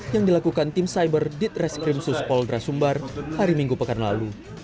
yang dilakukan tim cyber ditreskrim suspol drasumbar hari minggu pekan lalu